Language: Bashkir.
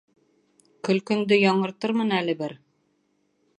Көлкөңдө яңыртырмын әле бер.